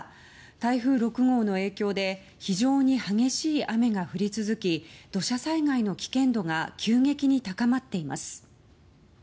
台風６号の影響で非常に激しい雨が降り続き土砂災害の危険度が急激に高まっています。